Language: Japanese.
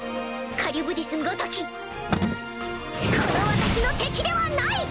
カリュブディスごときこの私の敵ではない！